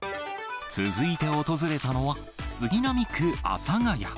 続いて訪れたのは、杉並区阿佐谷。